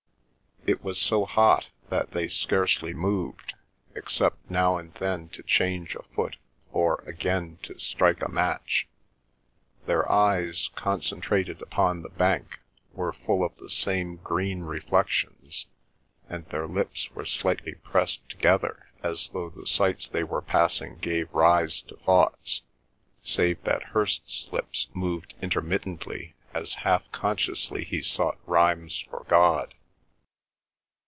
It was so hot that they scarcely moved, except now to change a foot, or, again, to strike a match. Their eyes, concentrated upon the bank, were full of the same green reflections, and their lips were slightly pressed together as though the sights they were passing gave rise to thoughts, save that Hirst's lips moved intermittently as half consciously he sought rhymes for God.